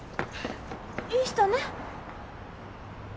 いい人ね。